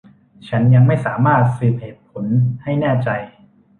ฉันยังไม่สามารถสืบเหตุผลให้แน่ใจ